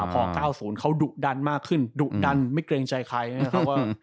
พอ๙๐เขาดุดันมากขึ้นดุดันไม่เกรงใจใคร